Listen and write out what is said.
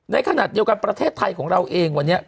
ในขณะเดียวกันประเทศไทยของเราเองวันนี้